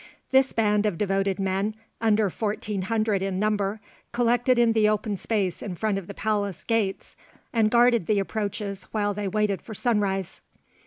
This band of devoted men, under fourteen hundred in number, collected in the open space in front of the palace gates, and guarded the approaches while they waited for sunrise.